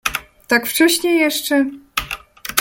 — Tak wcześnie jeszcze?